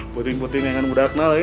puting puting engan muda aknal eh